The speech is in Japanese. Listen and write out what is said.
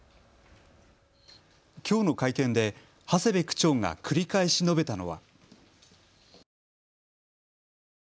きょうの会見で長谷部区長が繰り返し述べたのは。